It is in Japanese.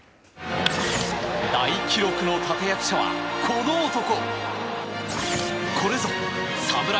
大記録の立役者は、この男！